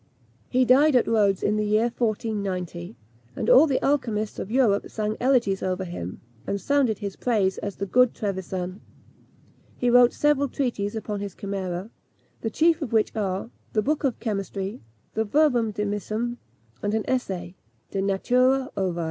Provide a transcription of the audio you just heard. He died at Rhodes, in the year 1490, and all the alchymists of Europe sang elegies over him, and sounded his praise as the "good Trevisan." He wrote several treatises upon his chimera, the chief of which are, the Book of Chemistry, the Verbum dimissum, and an essay De Natura Ovi.